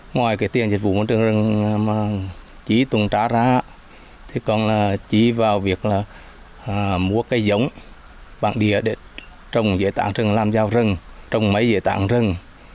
ngoài tiền dịch vụ môi trường rừng mà chỉ tuần trả ra thì còn chỉ vào việc mua cây giống bán đĩa để trồng dưới tảng rừng làm giao rừng trồng mấy dưới tảng rừng